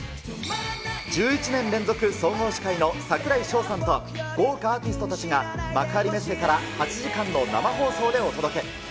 １１年連続総合司会の櫻井翔さんと、豪華アーティストたちが幕張メッセから８時間の生放送でお届け。